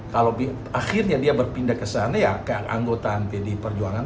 kalau akhirnya dia berpindah ke sana ya keanggotaan pdi perjuangan